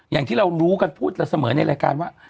อย่างที่เรารู้กันพูดเราเสมอในรายการว่า